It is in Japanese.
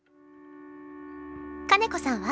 「兼子さんは？